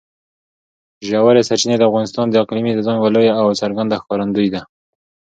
ژورې سرچینې د افغانستان د اقلیمي نظام یوه لویه او څرګنده ښکارندوی ده.